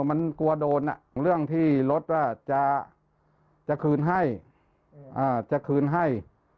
มันกลัวโดนเรื่องที่รถจะคืนให้